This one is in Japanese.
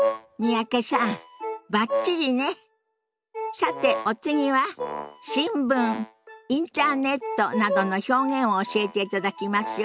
さてお次は「新聞」「インターネット」などの表現を教えていただきますよ。